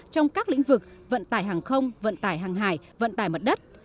trong các lĩnh vực vận tải hàng không vận tải hàng hải vận tải mặt đất